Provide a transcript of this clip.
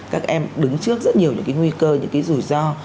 các em đứng trước rất nhiều những cái nguy cơ những cái rủi ro